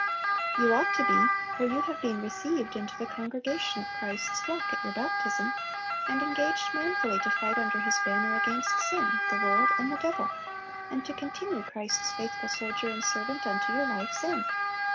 You ought to be, for you have been "received into the congregation of Christ's flock" at your baptism, and engaged "manfully to fight under His banner against sin, the world, and the devil, and to continue Christ's faithful soldier and servant unto your life's end."